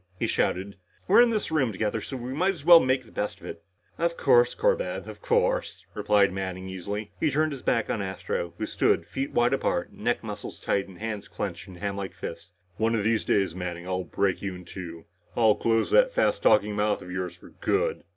he shouted. "We're in this room together, so we might as well make the best of it." "Of course, Corbett of course," replied Manning easily. He turned his back on Astro, who stood, feet wide apart, neck muscles tight and hands clenched in hamlike fists. "One of these days I'll break you in two, Manning. I'll close that fast talking mouth of yours for good!"